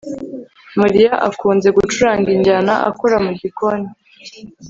mariya akunze gucuranga injyana akora mugikoni